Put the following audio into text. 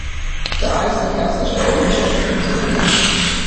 Da ist an erster Stelle die Beschäftigung zu nennen.